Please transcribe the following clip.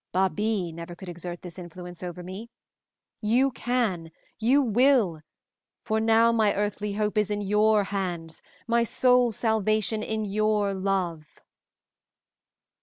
Babie never could exert this influence over me. You can, you will, for now my earthly hope is in your hands, my soul's salvation in your love."